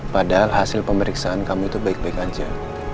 padahal hasil pemeriksaan kamu itu baik baik aja